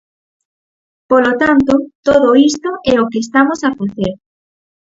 Polo tanto, todo isto é o que estamos a facer.